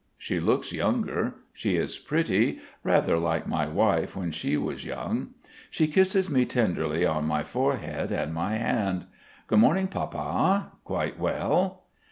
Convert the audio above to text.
She looks younger. She is pretty, rather like my wife when she was young. She kisses me tenderly on my forehead and my hand. "Good morning, Papa. Quite well?"